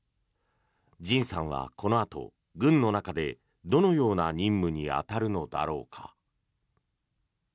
ＪＩＮさんはこのあと軍の中でどのような任務に当たるのだろうか。